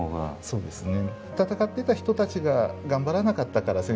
そうですね。